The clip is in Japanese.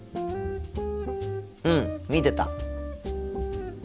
うん見てた。